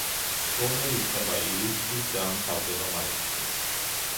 ტურნირი იწყება ივლისში და მთავრდება მაისში.